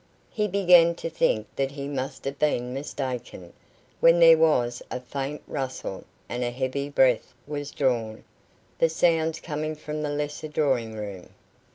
He began to think that he must have been mistaken, when there was a faint rustle, and a heavy breath was drawn, the sounds coming from the lesser drawing room.